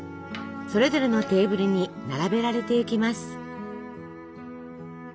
それぞれのテーブルに並べられていきます。